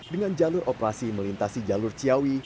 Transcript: dengan jalur operasi melintasi jalur ciawi